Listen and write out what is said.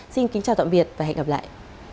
xin kính chào tạm biệt và hẹn gặp lại